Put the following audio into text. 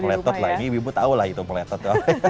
meletot lah ini ibu ibu tahu lah itu meletot